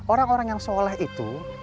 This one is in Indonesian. orang orang yang soleh itu